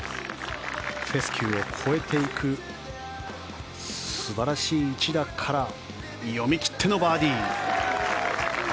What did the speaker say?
フェスキューへ越えていく素晴らしい一打から読み切ってのバーディー。